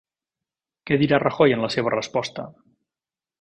Què dirà Rajoy en la seva resposta?